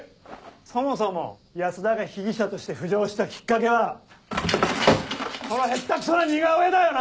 そもそも安田が被疑者として浮上したきっかけはこの下っ手クソな似顔絵だよな！